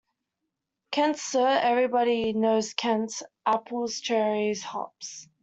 Kent, sir — everybody knows Kent — apples, cherries, hops.